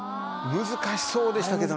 難しそうでしたけどね。